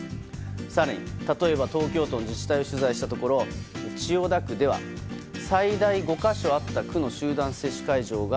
更に、例えば東京都の自治体を取材したところ千代田区では最大５か所あった区の集団接種会場が